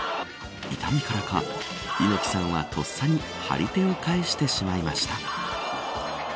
痛みからか、猪木さんはとっさに張り手を返してしまいました。